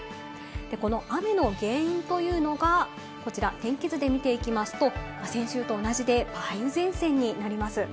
この雨の原因というのがこちら、天気図で見ていきますと先週と同じで、梅雨前線になります。